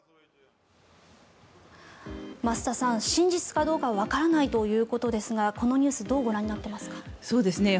増田さん、真実かどうかわからないということですがこのニュースどうご覧になってますか。